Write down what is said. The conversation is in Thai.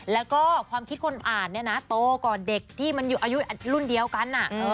แล้วก็ความคิดคนอ่านเนี่ยนะโตกว่าเด็กที่มันอยู่อายุรุ่นเดียวกัน